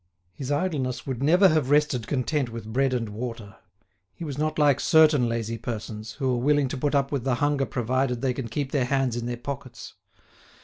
His idleness would never have rested content with bread and water; he was not like certain lazy persons who are willing to put up with hunger provided they can keep their hands in their pockets.